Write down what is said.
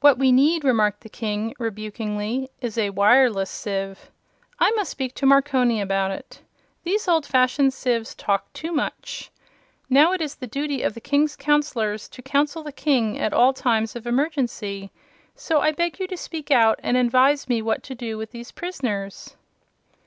"What we need," remarked the King, rebukingly, "is a wireless sieve. I must speak to Marconi about it. These old fashioned sieves talk too much. Now, it is the duty of the King's Counselors to counsel the King at all times of emergency, so I beg you to speak out and advise me what to do with these prisoners."